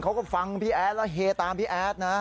เขาก็ฟังพี่แอดแล้วเฮตามพี่แอดนะ